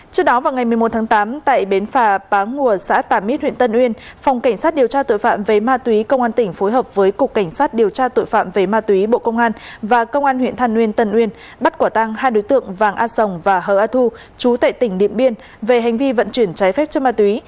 trước đó vào ngày một mươi một tháng tám tại bến phà pá nguồn xã tàm ít huyện tân uyên phòng cảnh sát điều tra tội phạm về ma túy công an tỉnh phối hợp với cục cảnh sát điều tra tội phạm về ma túy bộ công an và công an huyện thàn uyên tân uyên bắt quả tăng hai đối tượng vàng á sồng và hờ á thu chú tệ tỉnh niệm biên về hành vi vận chuyển trái phép cho ma túy và thu giữ tám bánh heroin